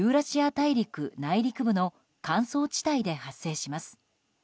大陸内陸部の乾燥地帯で発生します。